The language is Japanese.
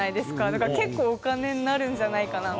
だから結構お金になるんじゃないかなみたいな。